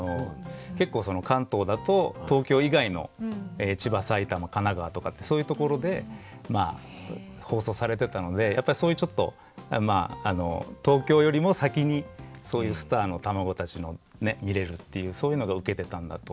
結構関東だと東京以外の千葉埼玉神奈川とかってそういうところで放送されてたのでやっぱりそういうちょっと東京よりも先にそういうスターの卵たちのねっ見れるっていうそういうのがうけてたんだと思います。